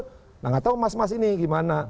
nah enggak tahu mas mas ini gimana